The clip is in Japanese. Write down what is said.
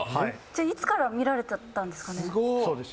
じゃあ、いつから見られてたんですかね？